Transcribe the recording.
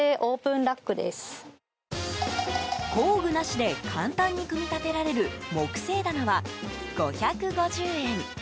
工具なしで簡単に組み立てられる木製棚は５５０円。